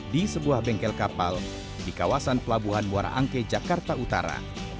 di sebuah bengkel kapal di kawasan pelabuhan muara angke jakarta utara